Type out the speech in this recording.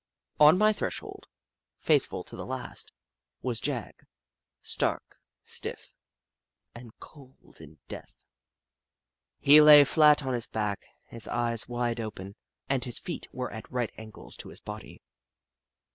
On my threshold, faith ful to the last, was Jagg, stark and stiff and cold in death. He lay flat on his back, his eyes wide open, and his feet were at right angles to his body.